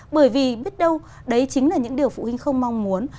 bởi vì biết đâu đấy chính là những điều phụ huynh không mong muốn